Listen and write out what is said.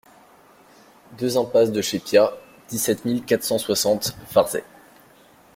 deux impasse de Chez Piat, dix-sept mille quatre cent soixante Varzay